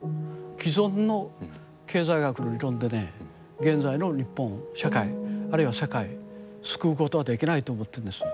既存の経済学の理論でね現在の日本社会あるいは世界救うことはできないと思ってるんです。